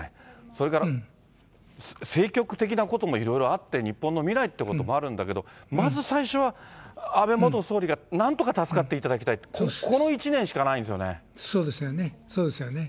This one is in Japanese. それから政局的なこともいろいろあって、日本の未来ということもあるんだけど、まず最初は、安倍元総理がなんとか助かっていただきたい、そうですよね。